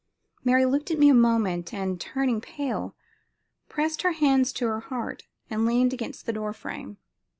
Mary looked at me a moment, and, turning pale, pressed her hands to her heart and leaned against the door frame.